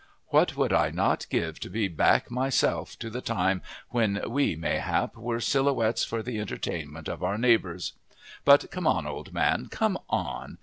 What would I not give to be back myself, to the time when we, mayhap, were silhouettes for the entertainment of our neighbors! But come on, old man, come on!